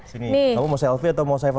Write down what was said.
sini kamu mau selfie atau mau saya foto